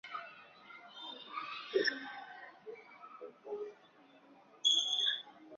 有细长茎可以支持叶子或枝条离地面相当的高度。